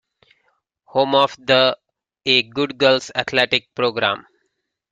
Home of the a good girls athletic program.